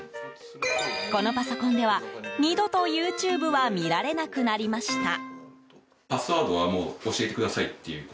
このパソコンでは、二度とＹｏｕＴｕｂｅは見られなくなりました。